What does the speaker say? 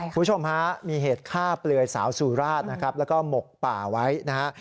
คุณผู้ชมฮะมีเหตุฆ่าเปลือยสาวสุราชนะครับแล้วก็หมกป่าไว้นะฮะ